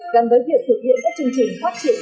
gắn với việc thực hiện các chương trình phát triển